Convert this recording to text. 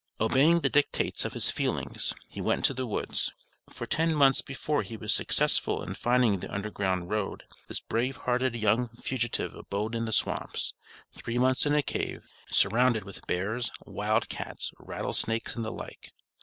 Obeying the dictates of his feelings, he went to the woods. For ten months before he was successful in finding the Underground Road, this brave hearted young fugitive abode in the swamps three months in a cave surrounded with bears, wild cats, rattle snakes and the like.